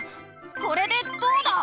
これでどうだ！